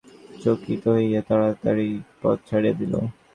চকিত হইয়া তাড়াতাড়ি পথ ছাড়িয়া দিল।